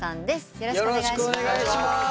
よろしくお願いします。